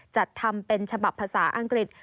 จัดทำเป็นฉบับภาษาอังกฤษ